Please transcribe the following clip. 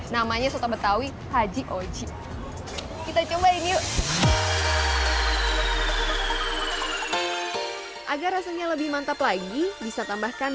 namanya soto betawi haji oji kita cobain yuk agar rasanya lebih mantap lagi bisa tambahkan